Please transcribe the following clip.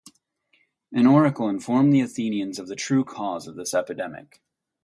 An oracle informed the Athenians of the true cause of this epidemic.